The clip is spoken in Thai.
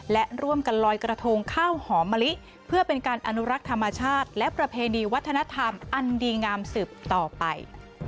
และร่วมกันลอยกระทงข้าวหอมมะลิเพื่อเป็นการอนุรักษ์ธรรมชาติและประเพณีวัฒนธรรมอันดีงามสืบต่อไป